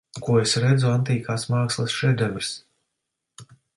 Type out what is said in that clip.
Ko es redzu Antīkās mākslas šedevrs.